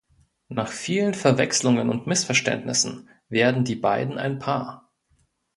Nach vielen Verwechslungen und Missverständnissen werden die beiden ein Paar.